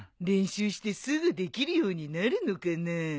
練習してすぐできるようになるのかな？